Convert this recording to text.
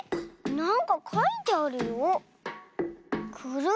なんかかいてあるよ。